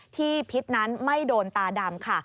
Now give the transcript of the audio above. พิษนั้นไม่โดนตาดำค่ะ